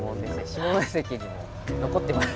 下関にも残ってます。